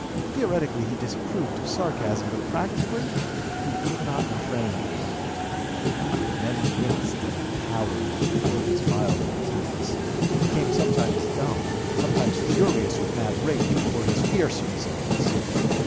Theoretically he disapproved of sarcasm, but practically he could not refrain from it. Men winced and cowered before his milder attacks, became sometimes dumb, sometimes furious with mad rage before his fiercer assaults.